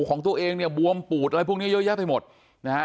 ของตัวเองเนี่ยบวมปูดอะไรพวกนี้เยอะแยะไปหมดนะฮะ